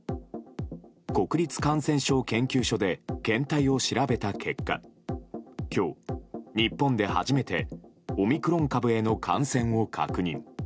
国立感染症研究所で検体を調べた結果今日、日本で初めてオミクロン株への感染を確認。